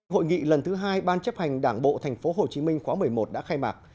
hội nghị lần thứ hai ban chấp hành đảng bộ tp hcm khóa một mươi một đã khai mạc